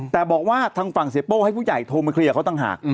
แต่บอกว่าทางฝั่งเสียโป้ให้ผู้ใหญ่โทรมาเคลียร์เขาต่างหาก